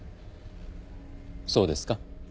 そうですか？